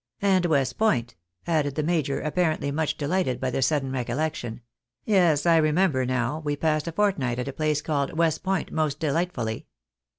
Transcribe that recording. And West Point," added the major, apparently much delighted by the sudden recollection ;" yes, I remember, now, we passed a fortnight at a place called West Point most delightfully."